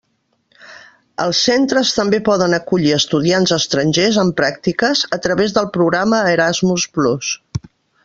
Els centres també poden acollir estudiants estrangers en pràctiques a través del programa Erasmus+.